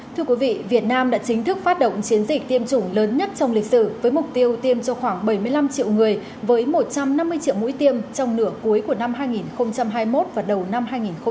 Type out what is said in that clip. thưa quý vị việt nam đã chính thức phát động chiến dịch tiêm chủng lớn nhất trong lịch sử với mục tiêu tiêm cho khoảng bảy mươi năm triệu người với một trăm năm mươi triệu mũi tiêm trong nửa cuối của năm hai nghìn hai mươi một và đầu năm hai nghìn hai mươi bốn